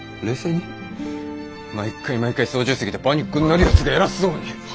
毎回毎回操縦席でパニックになるやつが偉そうに。